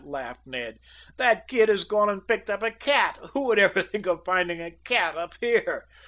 laughed Ned. "That kid has gone and picked up a cat. Who would ever think of finding a cat up here?"